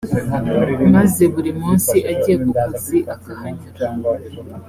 maze buri munsi agiye ku kazi akahanyura